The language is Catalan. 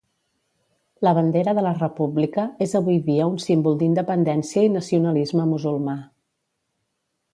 La bandera de la República és avui dia un símbol d’independència i nacionalisme musulmà.